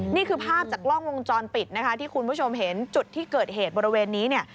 นี่คือภาพจากกล้องวงจรปิดนะคะที่คุณผู้ชมเห็นจุดที่เกิดเหตุบริเวณนี้เนี่ย